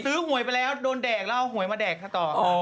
หวยไปแล้วโดนแดกแล้วเอาหวยมาแดกซะต่อ